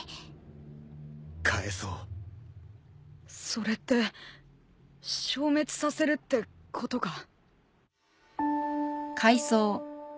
それって消滅させるってことか？